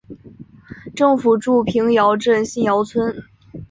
政府驻瓶窑镇新窑村。